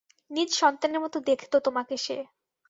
নিজ সন্তানের মতো দেখতো তোমাকে সে।